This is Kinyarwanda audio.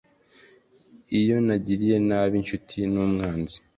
iyo nagiriye nabi inshuti n'umwanzi